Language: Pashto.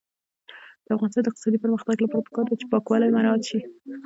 د افغانستان د اقتصادي پرمختګ لپاره پکار ده چې پاکوالی مراعات شي.